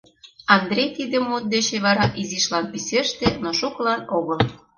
Андрей тиде мут деч вара изишлан писеште, но шукылан огыл.